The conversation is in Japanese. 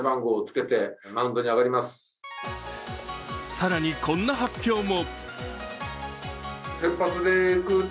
更にこんな発表も。